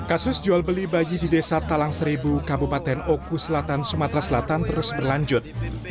kasus jual beli bayi di desa talang seribu kabupaten oku selatan sumatera selatan terus berlanjut